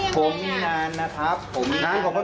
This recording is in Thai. ตามนี้เราจะรู้ได้ยังไง